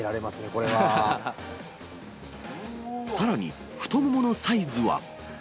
さらに、太もものサイズは。